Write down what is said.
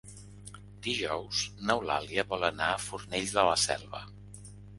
Dijous n'Eulàlia vol anar a Fornells de la Selva.